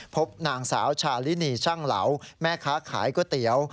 พบนางสาวชาลินีช่างเหลาแม่ค้าขายก๋วยเตี๋ยว